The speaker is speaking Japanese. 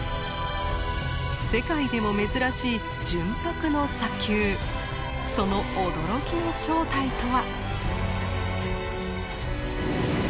世界でも珍しいその驚きの正体とは？